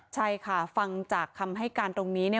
ใช่ค่ะฟังจากคำให้การตรงนี้เนี่ย